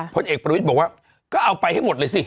ผลเอกประวิทย์บอกว่าก็เอาไปให้หมดเลยสิ